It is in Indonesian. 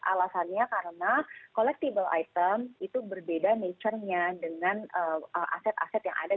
alasannya karena collectible item itu berbeda nature nya dengan aset aset yang ada di